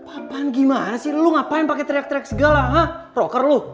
apaan gimana sih lu ngapain pake triak triak segala ha roker lu